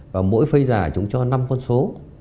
và mỗi phây giả chúng cho năm con số